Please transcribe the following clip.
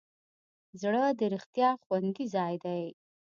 زړه د رښتیا خوندي ځای دی.